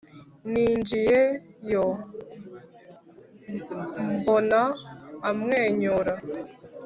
ninjiyeyo mbona amwenyura!